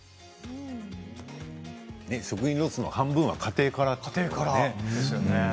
食品ロスの半分は家庭からなんですね。